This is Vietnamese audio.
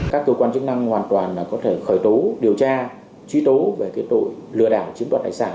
các cơ quan chức năng hoàn toàn có thể khởi tố điều tra truy tố về cái tội lừa đảo chiếm đoạt tài sản